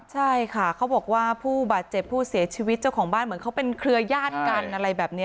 ใช่ค่ะเขาบอกว่าผู้บาดเจ็บผู้เสียชีวิตเจ้าของบ้านเหมือนเขาเป็นเครือญาติกันอะไรแบบนี้